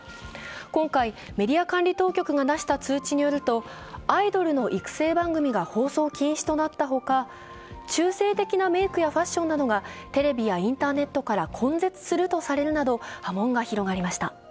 今回メディア管理当局が出した通知によりますとアイドルの育成番組が放送禁止となった他、中性的なメークやファッションなどがテレビやインターネットから根絶するとされるなど波紋が広がりました。